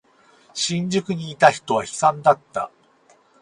新宿にいた人は悲惨だった。